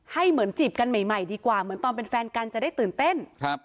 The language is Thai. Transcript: เหมือนจีบกันใหม่ใหม่ดีกว่าเหมือนตอนเป็นแฟนกันจะได้ตื่นเต้นครับ